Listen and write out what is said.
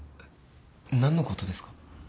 何のことですか？